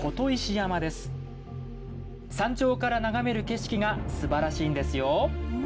山頂から眺める景色がすばらしいんですよ。